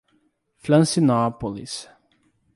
Francinópolis